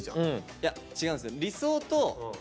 いや違うんすよ。